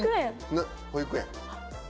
保育園。